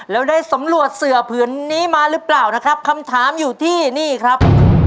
แล้วได้สำรวจเสือผืนนี้มาหรือเปล่านะครับคำถามอยู่ที่นี่ครับ